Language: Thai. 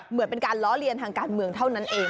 เหมือนเป็นการล้อเลียนทางการเมืองเท่านั้นเอง